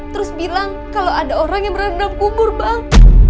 terus bilang kalau ada orang yang berada dalam kubur bang